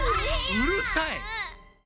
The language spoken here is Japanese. うるさい！